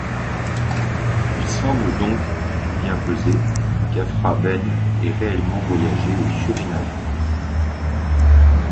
Il semble donc, tout bien pesé, qu'Aphra Behn ait réellement voyagé au Suriname.